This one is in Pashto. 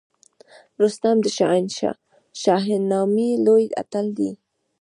رستم د شاهنامې لوی اتل دی